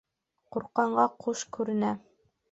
Курҡҡанға ҡуш күренә